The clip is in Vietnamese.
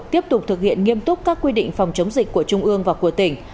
tiếp tục thực hiện nghiêm túc các quy định phòng chống dịch của trung ương và của tỉnh